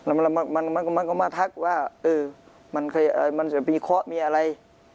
แล้วมันก็มาทักว่ามันจะมีเคราะห์มีอะไร